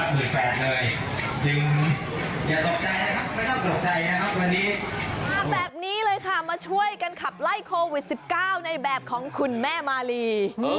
มาแบบนี้เลยค่ะมาช่วยกันขับไล่โควิด๑๙ในแบบของคุณแม่มาลี